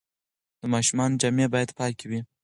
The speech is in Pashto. د ماشومانو جامې باید پاکې وي.